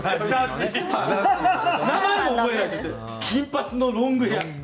「金髪のロングヘア